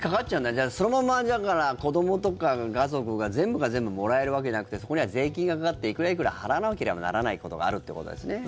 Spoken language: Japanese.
じゃあ、そのまま子どもとか家族が全部が全部もらえるわけじゃなくてそこには税金がかかっていくらいくら払わなければならないことがあるということですね。